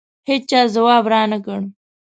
هېچا ځواب رانه کړ.